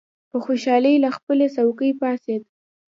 په خوشالۍ له خپلې څوکۍ پاڅېد.